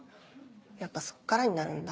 やっぱそっからになるんだ。